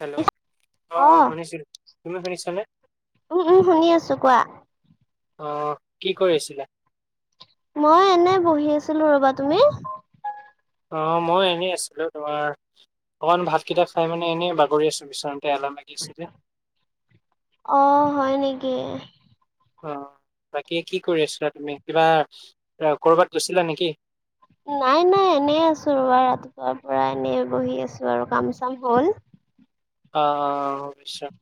Hello অ অ শুনিছো তুমি শুনিছ নে উম উম শুনি আছো কোৱা অঁ কি কৰি আছিলে মই এনে বহি আছিলো ৰবা তুমি অ মই এনেই আছিলো তোমাৰ অকণমান ভাতকেইটা খাই মানে এনে বাগৰি আছোঁ বিচাৰোঁতে এলাহ লাগি আছিলে অ হয় নেকি অ বাকী কি কৰি আছিলা তুমি কিবা কৰ'বাত গৈছিলা নেকি নাই নাই এনেই আছো ৰব ৰাতিপুৱাৰ পৰা এনেই বহি আছো আৰু কাম চাম হ'ল অ অশয়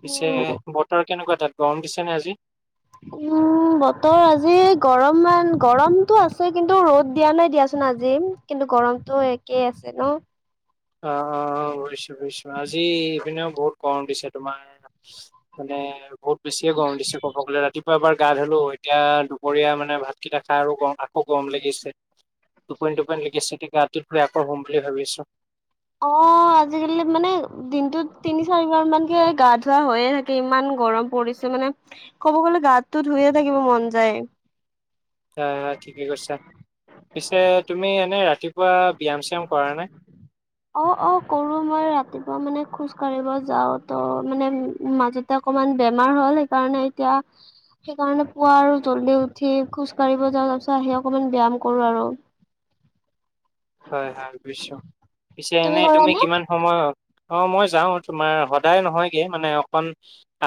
পিছে উম, বতৰ কেনেকুৱা তাত গম দিছেনে আজি উম বতৰ আজি গৰমান গৰমতটো আছে কিন্তু ৰ'দ দিয়া নাই দিয়াচোন আজি কিন্তু গৰমতটো একেই আছে ন অ অ বশ বু আজি ইপিনেও বহুত কম দিছে তোমাৰ মানে বহুত বেছিয়ে গৰম দিছো ক'ব গলে ৰাতিপুৱা এবাৰ গা ধলো এতিয়া দুপৰীয়া মানে ভাতকেইটা খাই আৰু গৰম আকৌ গৰম লাগিছে টোপনিন টোপন লকি চিট গাতিত থই আকৌ হম বুলি ভাবিছো অ আজিকালি মানে দিনটোত তিনি চাৰিবাৰ মানকে গা ধোৱা হৈয়ে থাকে ইমান গৰম পৰিছে মানে ক'ব গ'লে গাততো ধুইয়ে থাকিব মন যায় আচ্ছা ঠিকে কৈছা পিছে তুমি এনেই ৰাতিপুৱা ব্যায়াম চায়াম কৰা নাই অ অ কৰো মই ৰাতিপুৱা মানে খোজ কাঢ়িব যাও ত' মানে উ মাজত এ অকণমান বেমাৰ হ'ল সেইকাৰণে এতিয়া সেইকাৰণে পুৱা আৰু জল্দি উঠি খোজ কাঢ়িব যাওঁ তাৰ পিছত আহি অকনমান ব্যায়াম কৰো আৰু হয় হয় বুজিছোঁ পিছে এনেই কৰা তুমি নে? কিমান সময় অ মই যাও তোমাৰ সদায় নহয়গে মানে অকণ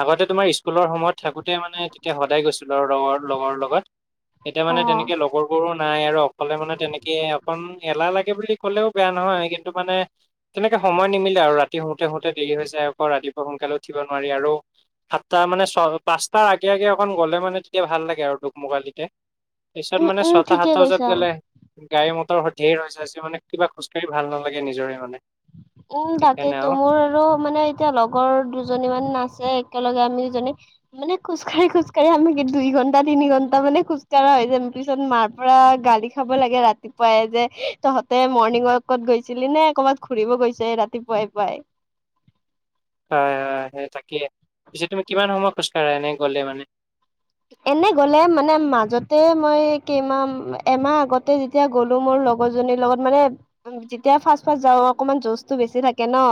আগতে তোমাৰ স্কুলৰ সময়ত থাকোঁতেই মানে তেতিয়া সদায় গৈছিলোঁ আৰু লগৰ লগৰ লগত এতিয়া মানে অ', তেনেকৈ লগৰ বোৰো নাই আৰু অকলে মানে তেনেকে অকন এলাহ লাগে বুলি ক'লেও বেয়া নহয় কিন্তু মানে তেনেকে সময় নিমিলে আৰু ৰাতি শুতে শুওঁতে দেৰি হৈ যায় আকৌ ৰাতিপুৱা সোনকালে উঠিব নোৱাৰি আৰু সাতটা মানে ছ পাঁচটাৰ আগে আগে অকণ গ'লে মানে তেতিয়া ভাল লাগে আৰু দুোকমোকালিতে পিছত উম, মানে উম, ছটা ঠিকে সাতটা বজাত কৈছা। গ'লে গাড়ী মটৰ সধিয়েেই ৰছে আজি মানে কিবা খোজকাঢ়ি ভাল নালাগে নিজৰে মানে উম তাকেইেতো মোৰ আৰু মানে এতিয়া লগৰ দুজনী মান আছে একেলগে আমি দুজনী মানে খোজকাঢ়ি খোজ কঢ়ি আমি দুই ঘন্টা তিনি ঘন্টা মানে খোজকাঢ়া হৈ যাম পিছত মাৰ পৰা গালি খাব লাগে ৰাতিপুৱাই যে তহঁতে মৰ্ণিং ৱাকত গৈছিলি নে অবাক ঘুৰিব গৈছে ৰাতিপুৱাই পুৱাই [unintelligible] এনে গ'লে মানে মাজতে মই কেইমাহ এমাহ আগতে যে ত এতিয়া, গ'লো মোৰ লগৰজনীৰ লগত মানে! যেতিয়া ফাৰ্ষ্ট, ফাৰ্ষ্ট যাওঁ অকনমান জৌচা টো বেছি থাকে ন!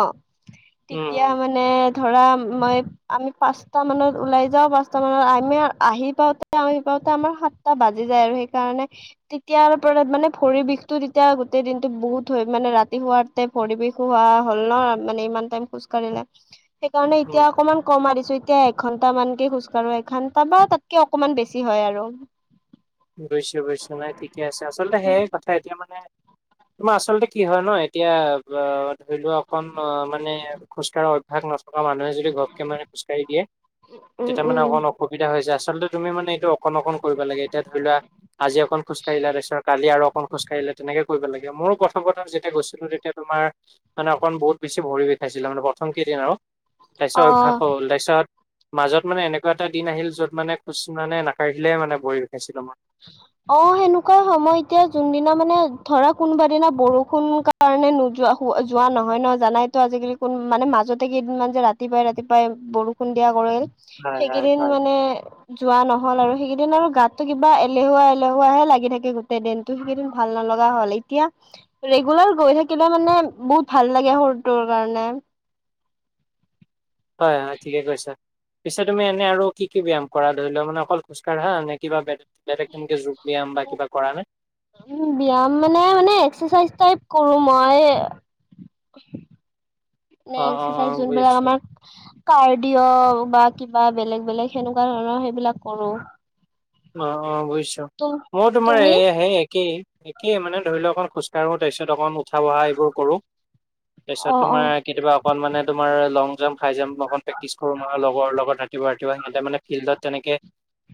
উম তেতিয়া উম মানে ধৰা, মই আমি পাঁচটা মানত ওলাই যাওঁ! পাঁচটা মানত আমি, আহি পাওঁতে, আহি পাওঁতে আমাৰ সাতটা বাজি যায়! আৰু হেইকাৰণে, তেতিয়াৰ পৰা মানে ভৰিৰ বিষতটো তেতিয়া গোটেই দিনটো বহুত হয়! মানে ৰাতি শুৱাৰ পৰিবেশো হোৱা হ'ল ন মানে ইমান টাইম খোজ কঢ়িলে [unintelligible] সেইকাৰণে উম এতিয়া অকনমান কমাৰিছো [inaudible] এতিয়া এঘন্টা মানকে খোজকাঢ়ো এখন [unintelligible] তাতকে অকমান বেছি হয়! আৰু বুজিছো, বুজিছো নাই ঠিকে আছে! আচলতে সেয়া কথা এতিয়া মানে, তোমাৰ আচলতে কি হয় ন, এতিয়া অ ধৰি লোৱা অকন অ মানে খোজ কঢ়া অভ্যা ভাগ নথকা মানুহ যদি ঘৰকে মে খোজকাঢ় দিয়ে [unintelligible] উম তেতিয়া মানে উম। অঁকণ অসুবিধা হৈছে! আচলতে তুমি মানে এইটো অঁকণ, অঁকণ কৰি বা লাগে! এতিয়া ধৰি লোৱা, আজি অঁকণ খোজকাঢ়িলা! তাৰপিছত কালি আৰু অঁকণ, খোজকাঢ়িলে তেনেকৈ কৰিব লাগে! মোৰো প্ৰথম প্ৰথম যেতিয়া গৈছিলো, তেতিয়া তোমাৰ মানে অকণ বহুত বেছি ভৰি বিষাইছিলে! মানে প্ৰথম কেইদিন আৰু তাৰপিছত অ অভ্যাস হল! তাৰপিছত মাজত মানে এনেকুৱা এটা দিন আহিল! য'ত মানে, খোজ মানে নাকাঢ়িলে মানে ভৰি বিষাইছিল! [unintelligible] অ, সেনেকুৱাই সময় এতিয়া যোনদিনা মানে ধৰা কোনোবা দিনা বৰষুণ ক! কাৰণে নোযোৱা যোৱা নহয় ন! জানাই তো আজিকালি কোন মানে মাজতে কেইদিনমান যে ৰাতিপুৱাই ৰাতিপুৱাই বৰষু! খুন্দিয়া কৰিল হয় হয় সেইকেইদিন হয়। মানে যোৱা নহল আৰু সেইকেইদিন আৰু গাতটো কিবা [unintelligible] বা, এলেহুৱা, এলেহুৱাহে লাগি থাকে গোটেই দিনটো! সেইকেইদিন ভাল নলগা হ'ল এতিয়া, ৰেগুলাৰ গৈ থাকিলে মানে বহুত ভাল লাগে শৰুটোৰ কাৰণে! হয়, হয় ঠিকে কৈছা! পিছে, তুমি এনে আৰু কি কি ব্যায়াম কৰা! ধৰি লোৱা, মানে অকল খোজকাঢ়া নে কিবা! বে বেলে গ তেনেকে, যোগ ব্যায়াম বা কিবা কৰা নে! উ, ব্যয়াম মানে, মানে এক্সাৰচাইজ টাইপ কৰো মই! অ নাই, অ অ এক্সাৰাইজ যোনবিলাক বুজিছো আমাৰ! কাৰডিঅ বা কিবা বেলেগ, বেলেগ সেনেকুৱা ধৰণৰ সেইবিলাক কৰো! অঁ, অঁ বুজিছো! তুম মইো তোমাৰ তুমি হেই একেই, একেই মানে ধৰি লও অকণ খোজ তাৰপিছত অকণ উঠা বহা এইবোৰ কৰো! তাৰপিছত অ অ তোমাৰ কেতিয়াবা অকণ মানে তোমাৰ লং জাম্প, হাই জাম্প অকণ প্ৰেক্টি চ কৰো মান লগৰ লগত! ৰাতিপুৱা, ৰাতিপুৱা সিহঁতে মানে ফিল্ডত তেনেকে,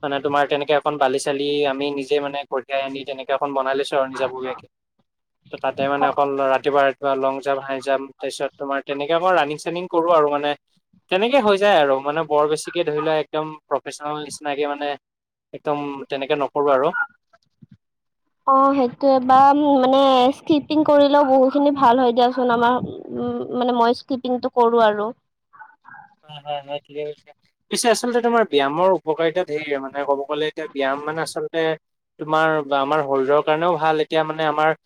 মানে, তোমাৰ তেনেকে এখন বালি চালি আমি নিজে মানে কঢ়িয়াই আনি তেনেকে এখন বনাই লৈছো! ৰ যাবাকে ত তাতে অ মানে অকল ৰাতিপুৱাতি [unintelligible] বা লং জাম্প, হাই জাম্প তাৰপিছত তোমাৰ তেনেকে মই ৰানিং চানিং কৰো আৰু মানে! তেনেকে হৈ যায় আৰু মানে বৰ বেছিকে ধৰি লোৱা একদম প্ৰফেচনেল নিচিনাকে মানে! একদম তেনেকে নকৰো! আৰু অ সেইটোোৱেবাৰ মানে স্কিপিং কৰিলেও বহুত খিনি ভাল হয় দিয়াচোন আমাৰ [unintelligible] মানে, মই স্কিপিংটো কৰোঁ আৰু হয়, হয়, হয় ঠিকে কৈছে! পিছে আচলতে তোমাৰ ব্যায়ামৰ উপকাৰিতা ধে ৰ মানে, ক'ব কলে এতিয়া ব্যায়াম মানে আচলতে, তোমাৰ আমাৰ শৰীৰৰ কাৰণেও ভাল এতিয়া মানে আমাৰ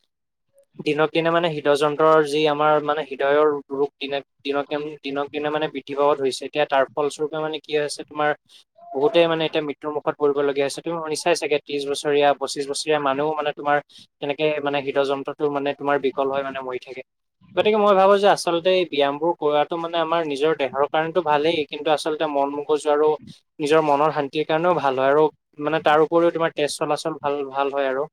দিনক- দিনে মানে হৃদয় যন্ত্ৰৰ যি আমাৰ মানে হৃদয়ৰ ৰোগ দিনে দিনকে -দিনক মানে বৃদ্ধি পাব ধৰিছে, এতিয়া তাৰ ফলস্বৰূপে মানে কি হৈছে তোমাৰ! বহুতেই মানে এতিয়া মৃত্যু মুখত পৰিবলগীয়া হৈছে! তুমি শুনিছাই চাই চ ত্ৰিশ বছৰীয়া, পঁচিছ বছৰীয়া মানুহ মানে তোমাৰ তেনেকে মানে, হৃদ যন্ত্ৰটো মানে তোমাৰ বিকল হয় মানে মৰি থাকে! গতিকে, মই ভাবো যে আচলতে এই ব্যায়ামবোৰ কৰোৱাটো মানে আমাৰ নিজৰ, বেমাৰৰ কাৰণে টো ভালেই, কিন্তু আচলতে মন মগজু আৰু, নিজৰ মনৰ শান্তিৰ কাৰণেও ভাল হয়! আৰু মানে তাৰ উপৰিও তোমাৰ তেজ চলাচল ভাল, ভাল হয়! আৰু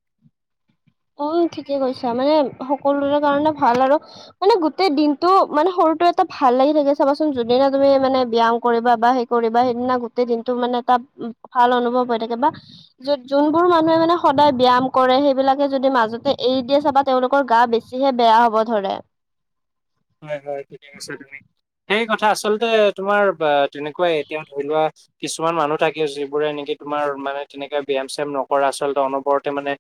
উম, ঠিকে কৈছা! মানে সকলোৰে কাৰণে ভাল! আৰু, মানে, গোটেই দিনটো মানে সৰুটো এটা ভাল লাগি থাকে! চাবাচোন যোনদিনা তুমি মানে ব্যায়াম কৰিবা! বা, কৰিবা, সেইদিনা গোটেই দিনটো মানে তাত ভাল অনুভৱ হৈ থাকে বা। য'ত, যোনবোৰ মানুহে মানে সদায় ব্যায়াম কৰে সেইবিলাক। যদি মাজতে এৰি দিয়ে চাবা, তেওঁলোকৰ গা বেছিহে বেয়া হ'ব ধৰে। হয় হয় ঠিকে কৈছা তুমি, সেই কথা আচলতে তোমাৰ তেনেকুৱাই এতিয়া ধৰি লোৱা। কিছুমান মানুহ থাকে, যিবোৰে নেকি তোমাৰ মানে তেনেকে ব্যায়াম চ্যাম নকৰা, আচলতে অনবৰতে মানে,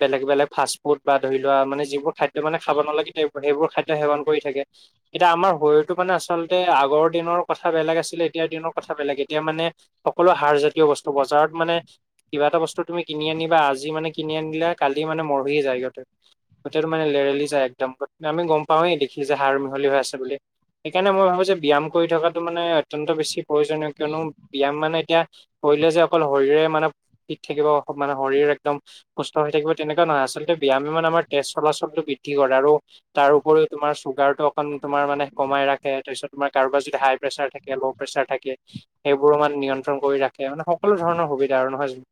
বেলেগ বেলেগ ফাষ্ট ফুড বা ধৰি লোৱা মানে, যিবোৰ খাদ্য মানে খাব নালাগে সেইবোৰ খাদ্য সেৱন কৰি থাকে। এতিয়া আমাৰ শৰীৰটো মানে আচলতে, আগৰ দিনৰ কথা বেলেগ আছিলে, এতিয়াৰ দিনৰ কথা বেলেগ এতিয়া মানে। সকলো সাৰজাতীয় বস্তু, বজাৰত মানে। কিবা এটা বস্তু তুমি কিনি আনিবা, আজি মানে কিনি আনিলে, কালি মানে মৰহি যায় ইহঁতে। গোটেইটো মানে লেৰেলি যায় একদম, আমি গম পাওঁৱে দেখি। এই যে সাৰ মিহলি হৈ আছে বুলি। সেইকাৰণে মই ভাবোঁ যে ব্যায়াম কৰি থকাটো মানে অত্যন্ত বেছি। প্ৰয়োজনীয়, কিয়নো ব্যায়াম মানে এতিয়া। কৰিলে যে অকল শৰীৰে মানে ফিট থাকিব, মানে শৰীৰ একদম। সুস্থ হৈ থাকিব তেনেকুৱা নহয়, আচলতে ব্যায়াম মানে আমাৰ তেজ চলাচলটো বৃদ্ধি কৰে আৰু। তাৰ উপৰিও তোমাৰ। চুগাৰটো অকণ তোমাৰ মানে কমাই ৰাখে, তাৰপিছত তোমাৰ কাৰোবাৰ যদি হাই প্ৰেছাৰ থাকে ল' প্ৰেছাৰ থাকে। সেইবোৰো মানে নিয়ন্ত্ৰণ কৰি ৰাখে, মানে সকলো ধৰণৰ সুবিধা আৰু নহয় জানো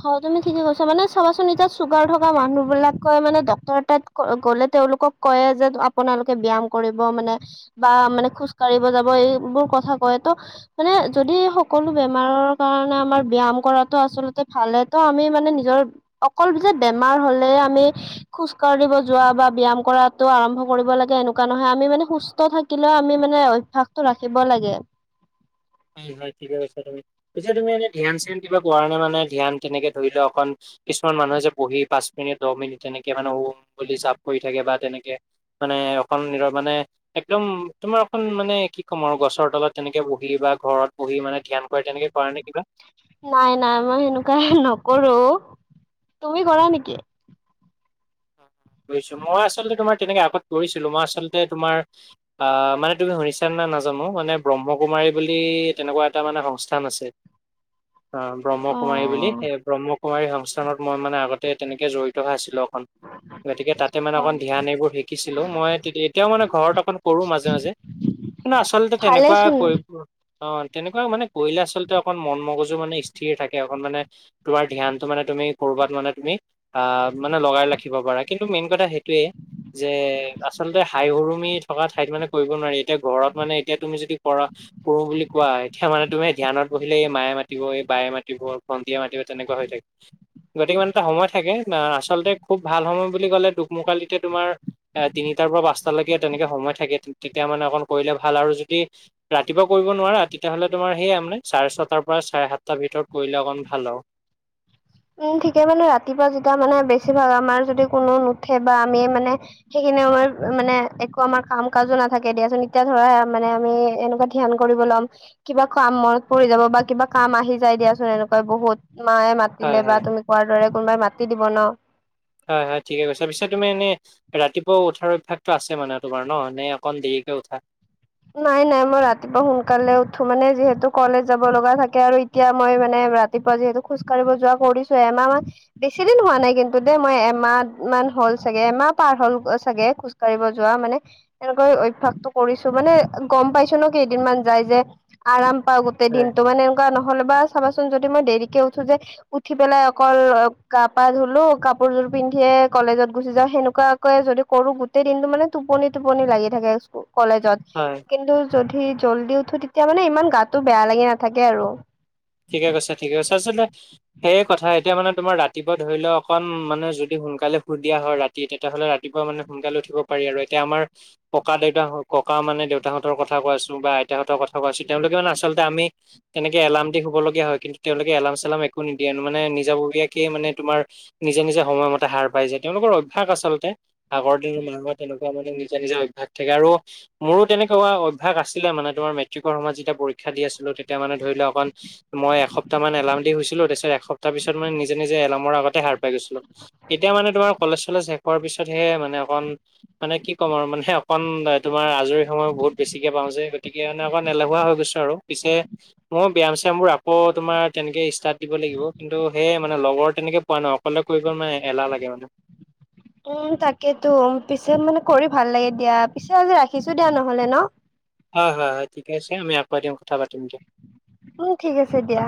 হয় তুমি ঠিকে কৈছা, মানে চাবাচোন এতিয়া চুগাৰ থকা মানুহ বিলাকে মানে ডক্তৰ তাত। গ'লে, তেওঁলোকক কয় যে আপোনালোকে ব্যায়াম কৰিব মানে। বা মানে খোজ কাঢ়িব যাব, এইবোৰ কথা কয় তো। মানে যদি সকলো বেমাৰৰ কাৰণে, আমাৰ ব্যায়াম কৰাটো আচলতে ভালেই তো, আমি মানে নিজৰ অকল যে বেমাৰ হলে আমি। খোজ কাঢ়িব যোৱা বা ব্যায়াম কৰাতো আৰম্ভ কৰিব লাগে, এনেকুৱা নহয় আমি মানে সুস্থ থাকি থাকিলেও, আমি মানে অভ্যাসটো ৰাখিব লাগে। হয় হয় ঠিকে কৈছা তুমি, পিছে তুমি এনে ধ্যান চ্যান কিবা কৰানে। মানে ধ্যান তেনেকে কিছুমান মানুহে যে বহি পাঁচ মিনিট দহ মিনিট তেনেকে মানে ওম বুলি জপ কৰি থাকে বা তেনেকে। মানে অকন নিৰ মানে। একদম তোমাৰ এখন মানে কি ক'ম আৰু গছৰ তলত তেনেকে বহিলি বা। ঘৰত বহি মানে ধ্যান কৰে, তেনেকে কৰা নে কিবা। নাই নাই মই সেনেকুৱা নকৰো, তুমি কৰা নেকি? কৰিছো। মই আচলতে তোমাৰ তেনেকে আগত কৰিছিলো। মই আচলতে তোমাৰ আহ মানে তুমি শুনিছান নাই নাজানো, মানে ব্ৰহ্মকুমাৰী বুলি তেনেকুৱা এটা মানে সংস্থান আছে। [inaudible] অ' ব্ৰহ্মকুমাৰী বুলি, সেই ব্ৰহ্মকুমাৰী সংস্থানত মই মানে আগতে তেনেকে জড়িত হৈ আছিলো অকন। গতিকে তাতে মানে হয় অকণ ধ্যান এইবোৰ শিকিছিলো। মই এতিয়াও মানে ঘৰত অকণ কৰো মাজে মাজে। কিন্তু আচলতে তেনেকুৱা ভালেচোন কৰিব। অ' তেনেকুৱা মানে কৰিলে, আচলতে অকণ মন মগজু মানে স্থিৰ থাকে অকণ মানে। তোমাৰ ধ্যানটো, মানে তুমি কৰবাত মানে তুমি আহ মানে লগাই ৰাখি। শিব পাৰা, কিন্তু মেইন কথা সেইটোয়ে। যে আচলতে হাই হুৰুমি থকা ঠাইত মানে কৰিব নোৱাৰি, এতিয়া ঘৰত মানে এতিয়া তুমি যদি কৰা। কৰো বুলি কোৱা, এতিয়া মানে তুমি ধ্যানত বহিলে এই মায়ে মাতিব, এই বায়ে মাতিব। ভন্টিয়ে মাতিব তেনেকুৱা হৈ থাকে, গতিকে ইনে এটা সময় থাকে আচলতে। খুব ভাল সময় বুলি ক'লে দুক-মোকালিতে তোমাৰ। এ তিনিটাৰ পৰা পাঁচটালৈকে তেনেকে সময় থাকে, তেতিয়া মানে অকণ কৰিলে ভাল আৰু যদি। ৰাতিপুৱা কৰিব নোৱাৰা, তেতিয়াহ'লে তোমাৰ সেয়াই মানে চাৰে ছটাৰ পৰা চাৰে সাতটাৰ ভিতৰত কৰিলে অকন ভাল আৰু। উম, ঠিকে মানে ৰাতিপুৱা যেতিয়া মানে বেছিভাগ আমাৰ যদি কোনো নুঠে বা আমিয়ে মানে। সেইখিনি সময় মানে একো আমাৰ কাম কাজো নাথাকে দিয়াচোন, এতিয়া ধৰা মানে আমি এনেকুৱা। ধ্যান কৰিব ল'ম। কিবা কাম মনত পৰি যাব বা কিবা কাম আহি যাই দিয়াচোন, এনেকুৱাই বহুত মায়ে মা। হয় দিলে বা হয় তুমি কোৱাৰ দৰে কোনোবাই মাতি দিব ন হয় হয় ঠিকে কৈছা, পিছে তুমি এনে ৰাতিপুৱা উঠাৰ অভ্যয়াসতটো আছে মানে তোমাৰ ন, নে অকন দেৰিকে উঠা। নাই নাই মই ৰাতিপুৱা সোনকালে উঠো, মানে যিহেতু কলেজ যাব লগা থাকে আৰু এতিয়া মই মানে ৰাতিপুৱা যিহেতু খোজকাঢ়িব যোৱা কৰিছো এমাহ মাহ বেছি দিন হোৱা নাই কিন্তু দেই মই এমাহমান হ'ল চাগে, এমাহ পাৰ হ'ল চাগে খোজ যোৱা মানে, এনেকৈ অভ্যাসটো কৰিছো। মানে গম পাইছো ন, কেইদিনমান যাই যে আৰাম পাওঁ গোটেই হয় দিনতটো মানে নহ'লে বা চাবাচোন যদি মই দেৰিকে উঠোঁ যে উঠি পেলাই অকল গা পা ধুলো, কাপোৰযোৰ পিন্ধিয়ে কলেজত গুচি যাওঁ সেনেকুৱা যদি কৰো, গোটেই দিনটো মানে টোপনি টোপনি লাগি থাকে স্কু কলেজত হয় কিন্তু যদি জলদি উঠো, তেতিয়া মানে ইমান গাতটো বেয়া লাগি নাথাকে আৰু। ঠিকে কৈছ, ঠিকে কৈছ, চাউছোন ত সেইয়ে কথা, এতিয়া মানে তোমাৰ ৰাতিপুৱা ধৰি লও অকন মানে যদি সোনকালে সুই দিয়া হয় ৰাতি তেতিয়াহ'লে ৰাতিপুৱা মানে সোনকালে উঠিব পাৰি আৰু। এতিয়া আমাৰ ককা দেউতা ককা মানে, দেউতাহঁতৰ কথা কোৱাছো বা, আইতাহঁতৰ কথা কোৱাছো তেওঁলোকে মানে আচলতে আমি তেনেকে এলাৰাম দি শুবলগীয়া হয়, কিন্তু তেওঁলোকে এলাম চালাম একো নিদিয়ে, মানে নিজাববীয়াকে মানে তোমাৰ নিজে নিজে সময়মতে হাৰ পাই যায় তেওঁলোকৰ অভ্যাস আচলতে। আগৰ দিন মানো তেনেকুৱা মানে নিজে নিজে অভ্যাস থাকে আৰু মোৰো তেনেকুৱা অভ্যাস আছিলে মানে মোৰো তেনেকুৱা অভ্যাস আছিলে মানে, তোমাৰ মেট্ৰিকৰ সময়ত যেতিয়া পৰীক্ষা দি আছিলো তেতিয়া মানে ধৰি লোৱা অকণ মই এসপ্তাহমান এলাৰ্ম দি শুছিলো, তাৰ পিছত এসপ্তাহ পিছত মানে নিজে নিজে এলাৰ্মৰ আগতে হাৰ পাই গৈছিলো এতিয়া মানে তোমাৰ কলেজ চলেজ শেষ হোৱাৰ পিছতহে মানে অকণ মানে কি ক'ম আৰু মানে অকণ তোমাৰ মানে কি কম আৰু, মানে অকণ আজৰি সময় বহুত বেছিকৈ পাওঁ যে, গতিকে মানে অকণ এলেহুৱা হৈ গৈছোঁ আৰু। পিছে মই ব্যায়াম চায়ামবোৰ আকৌ তোমাৰ তেনেকৈ ষ্টাৰ্ট দিব লাগিব, কিন্তু সেইয় মানে লগৰ তেনেকৈ পোৱা নাই, অকলে কৰিব মানে এলাহ লাগে মানে উম, তাকেতো, পিছে মানে কৰি ভাল লাগে দিয়া, পিছে আজি ৰাখিছো দিয়া নহ'লে ন। হয় হয় হয় ঠিক আছে, আমি আকৌ এদিন কথা পাতিম দিয়া। উম, ঠিক আছে দিয়া।